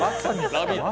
「ラヴィット！」